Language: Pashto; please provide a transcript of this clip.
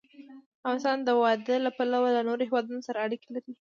افغانستان د وادي له پلوه له نورو هېوادونو سره اړیکې لري.